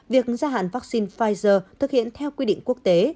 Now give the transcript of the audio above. việc gia hạn vaccine pfizer thực hiện theo quy định quốc tế